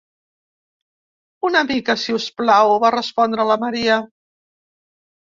'Una mica, si us plau', va respondre la Maria.